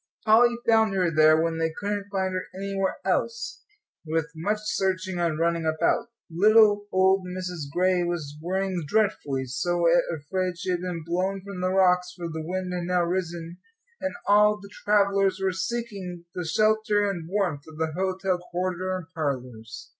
Polly found her there, when they couldn't find her anywhere else, with much searching and running about. Little old Mrs. Gray was worrying dreadfully, so afraid she had been blown from the rocks; for the wind had now risen, and all the travellers were seeking the shelter and warmth of the hotel corridor and parlours.